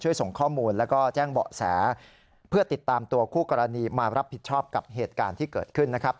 ส่งข้อมูลแล้วก็แจ้งเบาะแสเพื่อติดตามตัวคู่กรณีมารับผิดชอบกับเหตุการณ์ที่เกิดขึ้นนะครับ